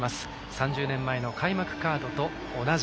３０年前の開幕カードと同じ。